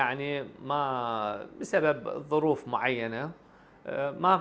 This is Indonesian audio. dan sebagian lainnya tidak mengembangkan